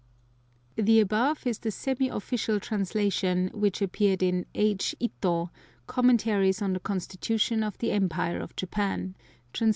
(The above is the semi official translation, which appeared in H. Ito, Commentaries on the Constitution of the Empire of Japan, trans.